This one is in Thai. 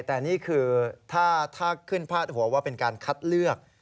แต่นี่คือถ้าขึ้นพาดหัวว่าเป็นการคัดเลือก